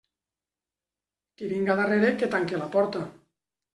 Qui vinga darrere, que tanque la porta.